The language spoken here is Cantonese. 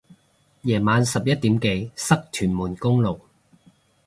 夜晚十一點幾塞屯門公路